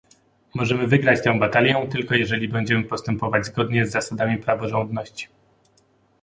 możemy wygrać tę batalię tylko jeżeli będziemy postępować zgodnie z zasadami praworządności